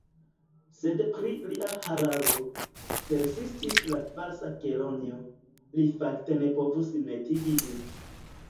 « Sed pri lia hararo," persistis la Falsa Kelonio, "li fakte ne povus netigi ĝin."